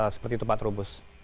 seperti itu pak trubus